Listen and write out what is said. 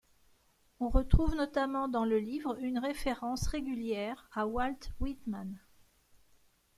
On retrouve notamment dans le livre une référence régulière à Walt Whitman.